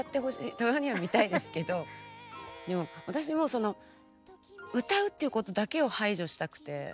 たまには見たいですけどでも私もその歌うっていうことだけを排除したくて。